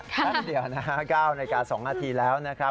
แป๊บเดียวนะครับ๙นาที๒นาทีแล้วนะครับ